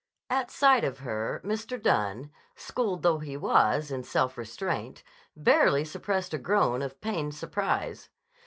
At sight of her Mr. Dunne, schooled though he was in self restraint, barely suppressed a groan of pained surprise.